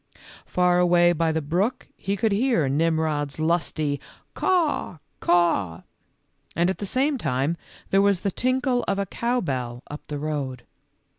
Far away by the brook he could hear Nimrod's lusty " caw, caw," and at the same time there was the tinkle of a cow bell up the road.